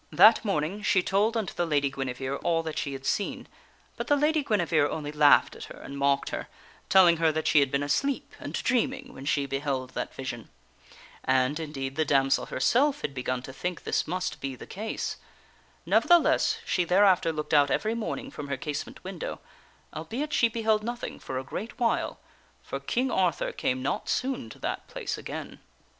That morning she told unto the Lady Guinevere all that she had seen, but the Lady Guinevere only laughed at her and mocked her, telling her that she had been asleep and dreaming, when she beheld that vision. And, indeed, the damsel herself had begun to think this must be the case. Nevertheless, she thereafter looked out every morning from her casement window, albeit she beheld nothing for a great while, for King Arthur came not soon to that place again.